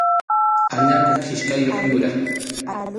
Allakuq kichkayuq yura.